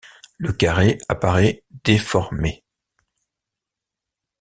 Le carré apparait déformé.